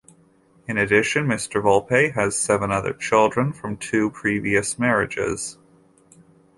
In addition, Mr. Volpe has seven other children from two previous marriages.